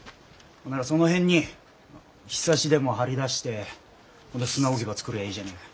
ならその辺に庇でも張り出して砂置き場作りゃあいいじゃねえか。